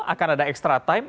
akan ada extra time